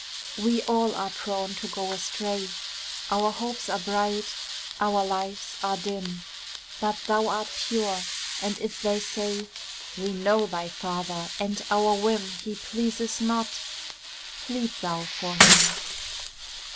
We all are prone to go astray, Our hopes are bright, our lives are dim; But thou art pure, and if they say, "We know thy father, and our whim He pleases not," plead thou for him.